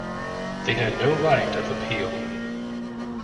They had no right of appeal.